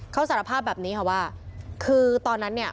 เขาสารภาพแบบนี้ค่ะว่าคือตอนนั้นเนี่ย